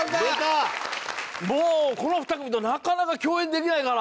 もうこの２組となかなか共演できないから。